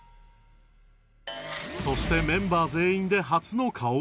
そしてメンバー全員で初の顔合わせ